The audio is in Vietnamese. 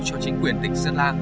cho chính quyền tỉnh sơn la